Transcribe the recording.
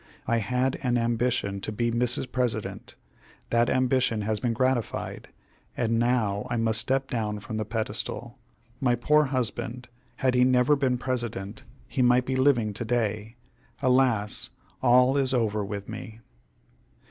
I had an ambition to be Mrs. President; that ambition has been gratified, and now I must step down from the pedestal. My poor husband! had he never been President, he might be living to day. Alas! all is over with me!"